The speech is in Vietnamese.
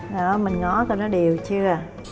rồi mình ngó coi nó đều chưa